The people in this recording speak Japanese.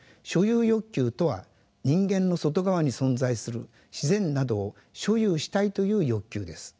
所有欲求とは人間の外側に存在する自然などを所有したいという欲求です。